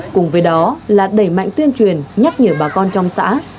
cùng với đó là đẩy mạnh tuyên truyền nhắc nhở bà con trong xã